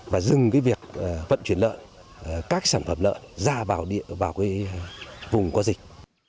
và dừng việc vận chuyển lợn các sản phẩm lợn ra vào vùng có dịch